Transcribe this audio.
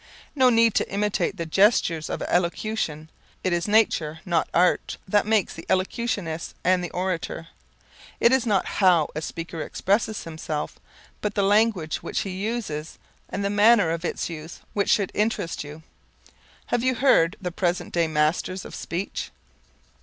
No need to imitate the gestures of elocution, it is nature, not art, that makes the elocutionist and the orator. It is not how a speaker expresses himself but the language which he uses and the manner of its use which should interest you. Have you heard the present day masters of speech?